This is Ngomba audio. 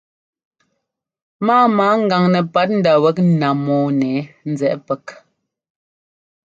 Máama ŋgaŋ nɛpat ndá wɛk ńná mɔ́ɔ nɛ nzɛꞌɛ́ pɛk.